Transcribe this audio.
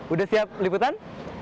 udah siap liputan